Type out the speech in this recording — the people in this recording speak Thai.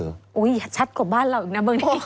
อุ๊ยชัดกว่าบ้านเราอีกนะเมื่อนี้